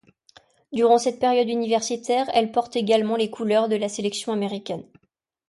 Durant cette période universitaire, elle porte également les couleurs de la sélection américaine.